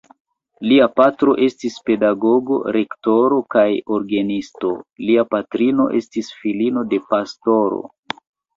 Lia patro estis pedagogo, rektoro kaj orgenisto, lia patrino estis filino de pastoro.